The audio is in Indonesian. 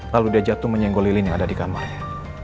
lalu dia jatuh menyenggolilin yang ada di kamarnya